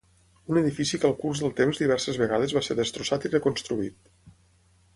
Un edifici que al curs del temps diverses vegades va ser destrossat i reconstruït.